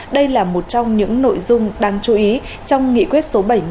đây là một trong những nội dung đáng chú ý trong nghị quyết số bảy mươi tám